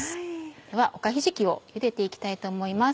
ではおかひじきをゆでて行きたいと思います。